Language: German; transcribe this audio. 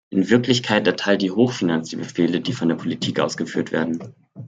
In Wirklichkeit erteilt die Hochfinanz die Befehle, die von der Politik ausgeführt werden.